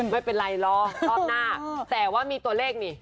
ไม่เป็นไรรอรอบหน้าแต่ว่ามีตัวเลขนี่